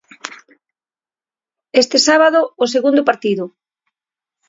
Este sábado, o segundo partido.